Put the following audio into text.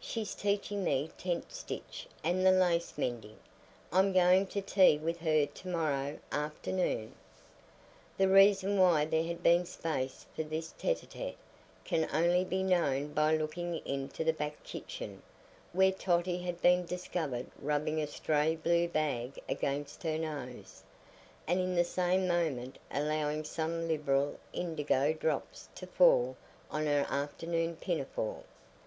She's teaching me tent stitch and the lace mending. I'm going to tea with her to morrow afternoon." The reason why there had been space for this tête à tête can only be known by looking into the back kitchen, where Totty had been discovered rubbing a stray blue bag against her nose, and in the same moment allowing some liberal indigo drops to fall on her afternoon pinafore.